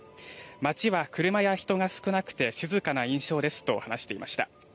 町は車や人が少なくて静かな印象ですと話していました。